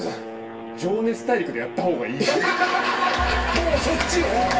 もうそっちを？